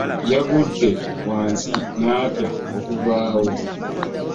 Yagudde wansi n'atya okuvawo.